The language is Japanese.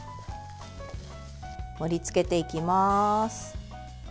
盛りつけていきます。